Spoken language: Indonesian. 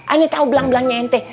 aneh tau belang belangnya ente